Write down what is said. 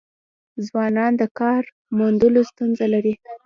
ځوانان د کار موندلو ستونزه لري.